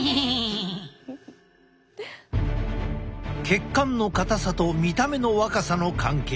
血管の硬さと見た目の若さの関係。